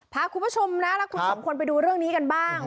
พาคุณผู้ชมนะและคุณสองคนไปดูเรื่องนี้กันบ้าง